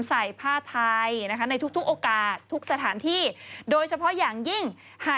ใส่ผ้าไทยนะคะในทุกทุกโอกาสทุกสถานที่โดยเฉพาะอย่างยิ่งหาก